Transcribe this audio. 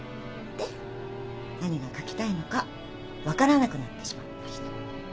で何が書きたいのか分からなくなってしまった人。